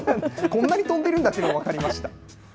こんなに飛んでるだっていうのが分かりました。